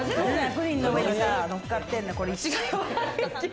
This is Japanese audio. プリンの上にさぁ、のっかってんの。